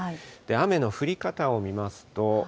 雨の降り方を見ますと。